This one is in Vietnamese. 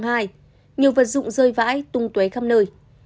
nhiều vật dụng rơi vãi tung tué khắp nơi